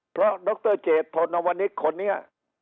เพราะดรเจตโธนวนิกคนนี้